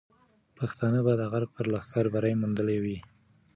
پښتانه به د غرب پر لښکر بری موندلی وي.